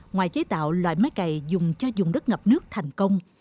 ngoài chế tạo loại máy cày dùng cho dùng đất ngập nước thành công